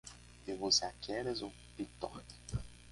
Devo usar Keras ou Pytorch?